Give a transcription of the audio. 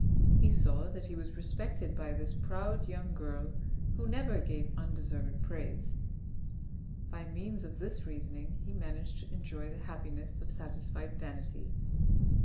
He saw that he was respected by this proud young girl who never gave undeserved praise ; by means of this reasoning he managed to enjoy the happiness of satisfied vanity.